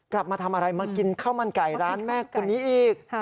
กลับมาทำอะไรมากินข้าวมันไก่ร้านแม่คนนี้อีก